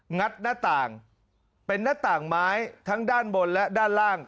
งัดหน้าต่างเป็นหน้าต่างไม้ทั้งด้านบนและด้านล่าง